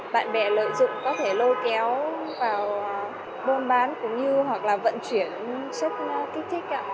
bạn bè lợi dụng có thể lôi kéo vào bôn bán cũng như hoặc là vận chuyển sách thích thích ạ